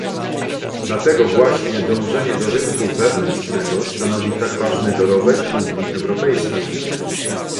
Dlatego właśnie dążenie do rynku wewnętrznego stanowi tak ważny dorobek Unii Europejskiej